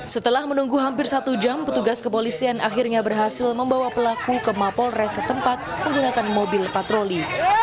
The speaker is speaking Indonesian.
setelah menunggu hampir satu jam petugas kepolisian akhirnya berhasil membawa pelaku ke mapol res setempat menggunakan mobil patroli